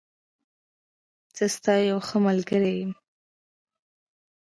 زه ستا یوښه ملګری یم.